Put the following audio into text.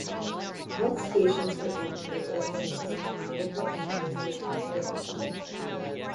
Both stations were owned by the Oklahoma City, Oklahoma-based Griffin Television.